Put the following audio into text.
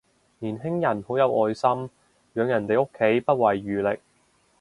年輕人好有愛心，養人哋屋企不遺餘力